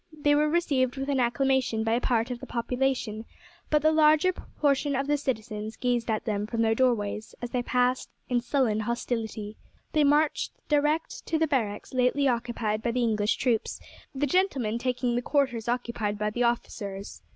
They were received with acclamation by a part of the population; but the larger portion of the citizens gazed at them from their doorways as they passed in sullen hostility. They marched direct to the barracks lately occupied by the English troops, the gentlemen taking the quarters occupied by the officers.